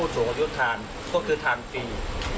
เออน่ารักดี